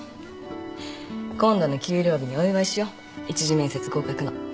今度の給料日にお祝いしよう一次面接合格の。